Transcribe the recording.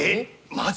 マジ？